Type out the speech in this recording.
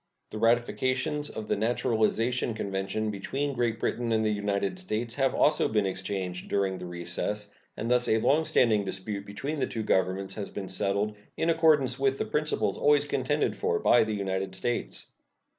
The ratifications of the naturalization convention between Great Britain and the United States have also been exchanged during the recess, and thus a long standing dispute between the two Governments has been settled in accordance with the principles always contended for by the United States.